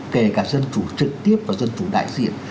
kể cả dân chủ trực tiếp và dân chủ đại diện